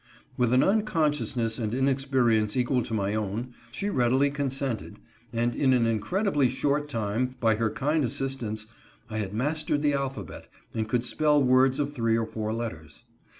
With an unconsciousness and inexperience equal to my own, she readily consented, and in an incredibly short time, by her kind assistance, I had mastered the alphabet and could spell words of three or four letters.